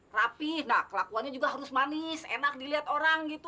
rapi nah kelakuannya juga harus manis enak dilihat orang gitu